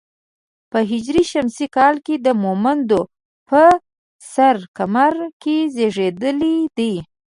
په هـ ش کال د مومندو په سره کمره کې زېږېدلی دی.